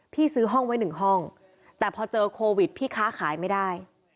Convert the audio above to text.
ซื้อห้องไว้หนึ่งห้องแต่พอเจอโควิดพี่ค้าขายไม่ได้